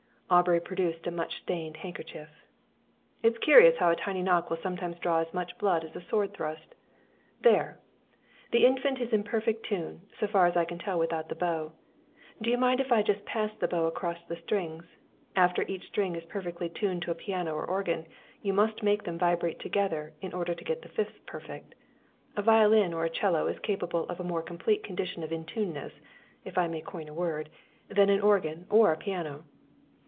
Aubrey produced a much stained handkerchief. "It is curious how a tiny knock will sometimes draw as much blood as a sword thrust. There! The Infant is in perfect tune, so far as I can tell without the bow. Do you mind if I just pass the bow across the strings? After each string is perfectly tuned to a piano or organ, you must make them vibrate together in order to get the fifths perfect. A violin or a 'cello is capable of a more complete condition of intuneness if I may coin a word than an organ or a piano."